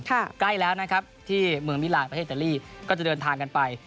ใกล้แล้วนะครับที่เมืองมิลานประเทศอิตาลีก็จะเดินทางกันไป